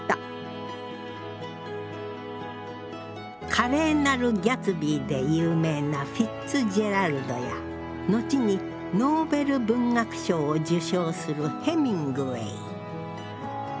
「華麗なるギャツビー」で有名なフィッツジェラルドや後にノーベル文学賞を受賞するヘミングウェイ。